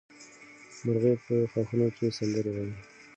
مرغۍ په ښاخونو کې سندرې وایي.